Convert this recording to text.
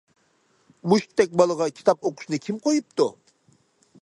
مۇشتتەك بالىغا كىتاب ئوقۇشنى كىم قويۇپتۇ.